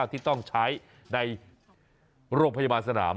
ที่ต้องใช้ในโรงพยาบาลสนาม